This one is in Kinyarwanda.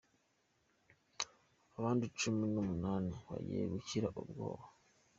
Abandi cumi nu munani bagiye gukira ubworo